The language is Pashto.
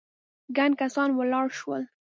ګڼ کسان ولاړ شول.